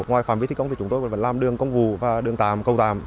ngoài phản viết thi công chúng tôi vẫn làm đường công vụ và đường tàm cầu tàm